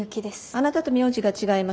あなたと名字が違います。